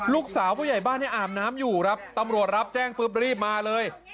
ลูกสาวผู้ใหญ่บ้านอามน้ำอยู่ตำรวจรับแจ้งปุ๊บรีบมาเลย